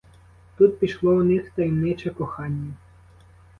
Тут пішло у них таємниче кохання.